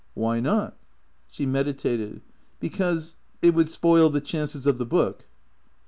"Why not?" She meditated. " Because — it would spoil the chances of the book."